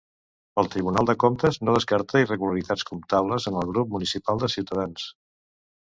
El Tribunal de Comptes no descarta irregularitats comptables en els grups municipals de Cs.